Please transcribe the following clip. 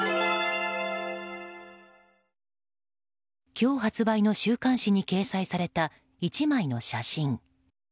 今日発売の週刊誌に掲載された１枚の写真。